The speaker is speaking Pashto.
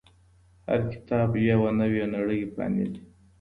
هر کتاب یوه نوې نړۍ پرانیزي.